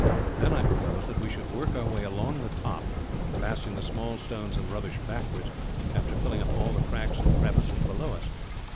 Then I propose that we should work our way along the top, passing the small stones and rubbish backwards, after filling up all the cracks and crevices below us.